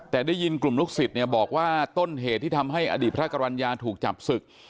แต่ได้ยินกลุ่มลูกศิษย์เนี่ยบอกว่าต้นเหตุที่ทำให้อดีตพระกรรณญาถูกจับศึก